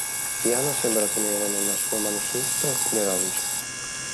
Diana sembra tenere nella sua mano sinistra alcune lance.